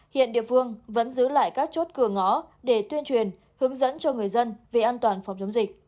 hiện địa phương vẫn giữ lại các chốt cửa ngõ để tuyên truyền hướng dẫn cho người dân về an toàn phòng chống dịch